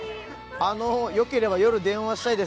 「あのーよければ夜電話したいです」